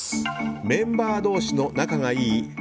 メンバー同士の仲がいいＨｅｙ！